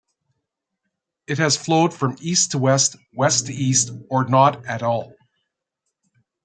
It has flowed from east to west, west to east, or not at all.